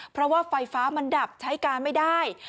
เพราะว่าไฟฟ้ามันดับใช้การไม่ได้